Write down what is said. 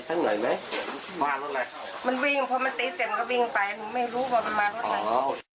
ผมไม่รู้ว่ามันมาก่อน